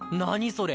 それ。